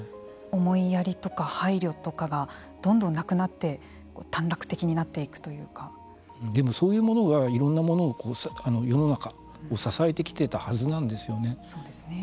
思いやりとか配慮とかがどんどんなくなってそういうものがいろんなもの、世の中を支えてきてたはずなんですよね。